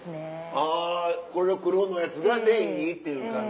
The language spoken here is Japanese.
あこれの黒のやつがいいっていう感じ？